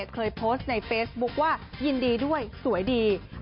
เคยโพสต์ในเฟซบุ๊คว่ายินดีด้วยสวยดี